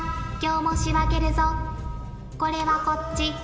これはこっち。